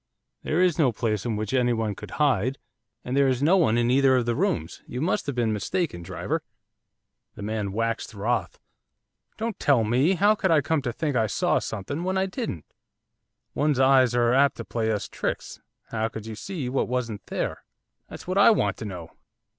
'There is no place in which anyone could hide, and there is no one in either of the rooms, you must have been mistaken, driver.' The man waxed wroth. 'Don't tell me! How could I come to think I saw something when I didn't?' 'One's eyes are apt to play us tricks; how could you see what wasn't there?' 'That's what I want to know.